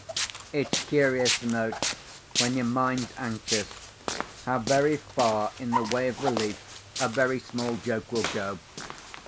It's curious to note, when your mind's anxious, how very far in the way of relief a very small joke will go.